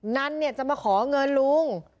นั่นเนี่ยจะมาขอเงินลุง